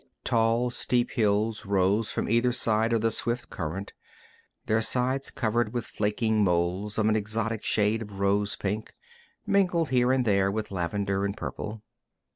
Tall, steep hills rose from either side of the swift current, their sides covered with flaking molds of an exotic shade of rose pink, mingled here and there with lavender and purple.